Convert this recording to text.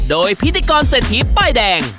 โดยพิธีกรเศรษฐีป้ายแดง